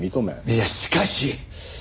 いやしかし！